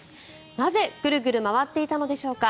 なぜ、ぐるぐる回っていたのでしょうか。